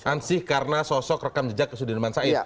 ansih karena sosok rekam jejak sudirman said